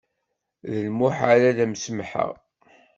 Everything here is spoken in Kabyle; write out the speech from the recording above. D lmuḥal ad m-samḥeɣ.